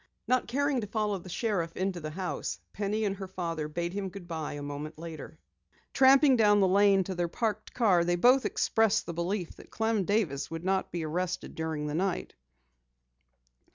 Not caring to follow the sheriff into the house, Penny and her father bade him goodbye a moment later. Tramping down the lane to their parked car, they both expressed the belief that Clem Davis would not be arrested during the night.